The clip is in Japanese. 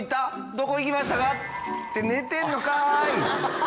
どこ行きましたか？って寝てんのかーい！